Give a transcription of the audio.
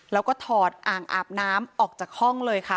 แล้วก็ถอดอ่างอาบน้ำออกจากห้องเลยค่ะ